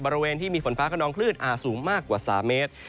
บริเวณที่มีฝนฟ้าขนองคลื่นอาจสูงมากกว่า๓เมตร